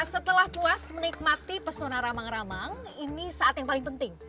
setelah puas menikmati pesona ramang ramang ini saat yang paling penting